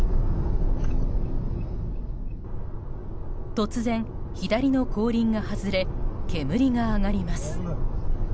突然、左の後輪が外れ煙が上がります。